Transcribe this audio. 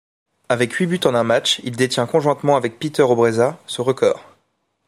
Avec huit buts en un match, il détient conjointement avec Peter Obresa ce record.